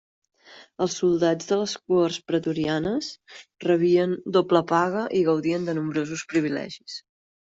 Els soldats de les cohorts pretorianes rebien doble paga i gaudien de nombrosos privilegis.